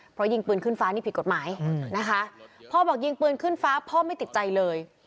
เพราะยิงปืนขึ้นฟ้านี่ผิดกฎหมายนะคะพ่อบอกยิงปืนขึ้นฟ้าพ่อไม่ติดใจเลย